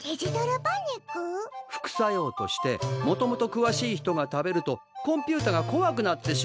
副作用としてもともとくわしい人が食べるとコンピューターがこわくなってしまうのにゃ。